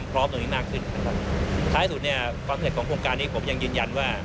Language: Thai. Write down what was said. เมื่อมีเรื่องการผลิตในประเทศเนี่ย